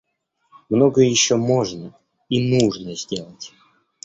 Многое еще можно и нужно сделать.